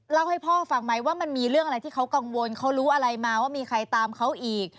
เล่าให้พ่อฟังไหมว่ามันมีเรื่องอะไรที่เขากังวลเขารู้อะไรมาว่ามีใครตามเขาอีก